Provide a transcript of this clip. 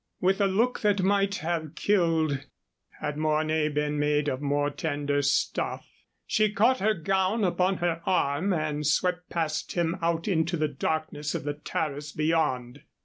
With a look that might have killed had Mornay been made of more tender stuff, she caught her gown upon her arm and swept past him out into the darkness of the terrace beyond.